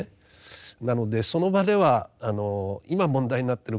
なのでその場では今問題になってること